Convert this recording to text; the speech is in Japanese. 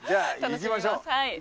行きましょう！